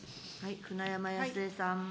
舟山康江さん。